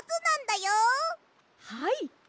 はい！